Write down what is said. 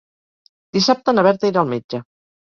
Dissabte na Berta irà al metge.